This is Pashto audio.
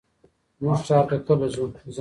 مونږ ښار ته کله ځو؟